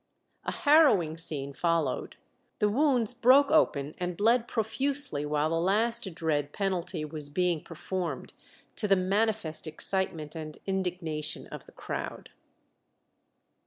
A harrowing scene followed; the wounds broke open and bled profusely while the last dread penalty was being performed, to the manifest excitement and indignation of the crowd.